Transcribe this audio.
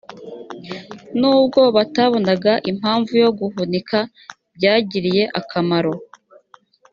nubwo batabonaga impamvu yo guhunika byagiriye akamaro